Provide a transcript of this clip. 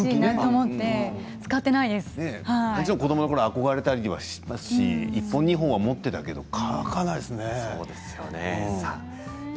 もちろん子どものころ憧れたりしますし１本、２本は持っていますけど書かないですね。